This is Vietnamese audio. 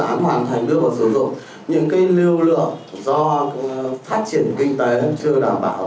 dự án hoàn thành được và sử dụng những cái lưu lượng do phát triển kinh tế chưa đảm bảo